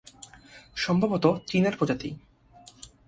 সম্ভবত চিনের প্রজাতি।